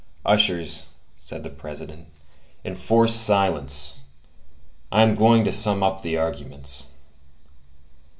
"Ushers," said the President, "enforce silence! I am going to sum up the arguments."